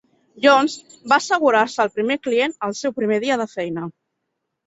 Jones va assegurar-se el primer client el seu primer dia de feina.